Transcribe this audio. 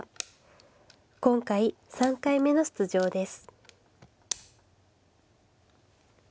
今回３回目の出場です。